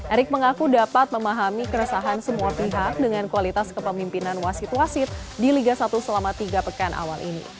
erick mengaku dapat memahami keresahan semua pihak dengan kualitas kepemimpinan wasit wasit di liga satu selama tiga pekan awal ini